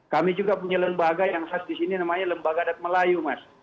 kami juga punya lembaga yang khas di sini namanya lembaga adat melayu mas